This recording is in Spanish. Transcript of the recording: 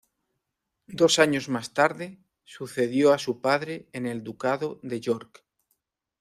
Dos años más tarde, sucedió a su padre en el ducado de York.